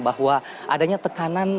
bahwa adanya tekanan